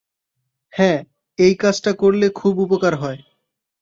হ্যাঁ, এই কাজটা করলে খুব উপকার হয়।